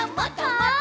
もっと！